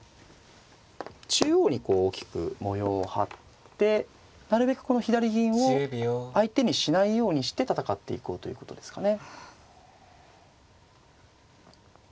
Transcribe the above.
中央にこう大きく模様を張ってなるべくこの左銀を相手にしないようにして戦っていこうということですかね。